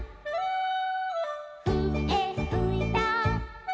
「ふえふいた」